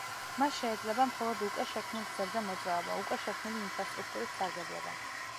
მას შეეძლება მხოლოდ უკვე შექმნილ გზებზე მოძრაობა, უკვე შექმნილი ინფრასტრუქტურით სარგებლობა.